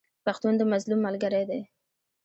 پښتون د مظلوم ملګری دی.